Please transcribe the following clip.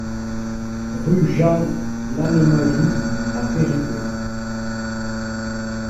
Rue Jean Lannemajou à Périgueux